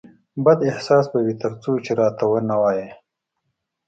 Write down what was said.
بد احساس به وي ترڅو چې راته ونه وایې